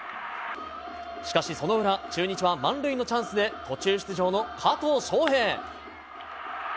しかしその裏、中日は満塁のチャンスで、途中出場の加藤翔平。